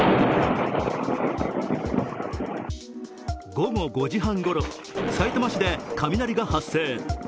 午後５時半ごろ、さいたま市で雷が発生。